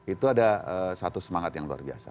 itu ada satu semangat yang luar biasa